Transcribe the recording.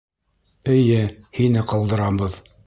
— Эйе, һине ҡалдырабыҙ.